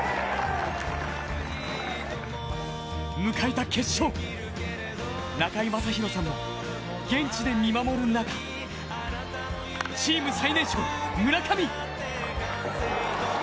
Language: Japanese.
迎えた決勝、中居正広さんも現地で見守る中チーム最年少、村上。